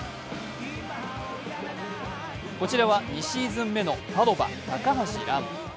こちらは２シーズン目のパドヴァ・高橋藍。